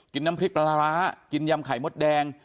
กินน้ำพริกร้ากินยำไข่มสแดง